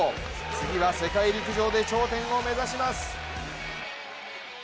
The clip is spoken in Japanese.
次は世界陸上で頂点を目指します。